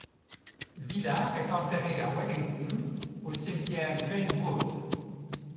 Willard est enterré à Wellington au cimetière Greenwood.